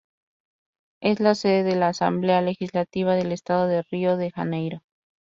Es la sede de la Asamblea Legislativa del Estado de Río de Janeiro.